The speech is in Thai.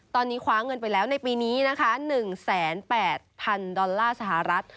ตอนนี้คว้าเงินไปแล้วในปีนี้นะคะ๑๘๐๐๐ดอลลาร์สหรัฐ